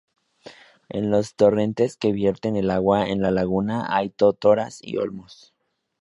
En los torrentes que vierten el agua en la laguna hay totoras y olmos.